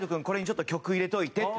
これにちょっと曲入れといて」って。